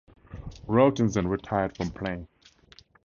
Rautins then retired from playing.